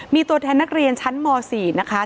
มีตัวแทนนักเรียนชั้นม๔นะคะ